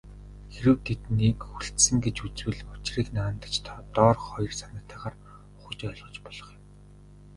Хэрэв тэднийг хүлцсэн гэж үзвэл, учрыг наанадаж доорх хоёр санаагаар ухаж ойлгож болох юм.